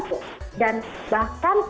mereka menghormati kami